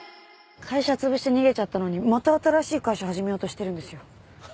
会社潰して逃げちゃったのにまた新しい会社始めようとしてるんですよ。